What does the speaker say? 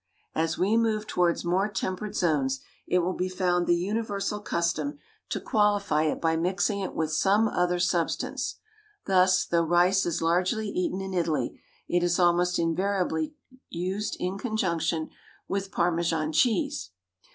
As we move towards more temperate zones it will be found the universal custom to qualify it by mixing it with some other substance; thus, though rice is largely eaten in Italy, it is almost invariably used in conjunction with Parmesan cheese.